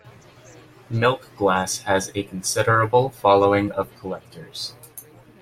Milk glass has a considerable following of collectors.